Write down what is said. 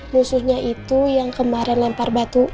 musuhnya itu yang kemarin lempar batu